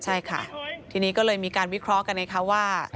ใช่ค่ะทีนี้ก็เลยมีการวิเคราะห์กันไงคะว่า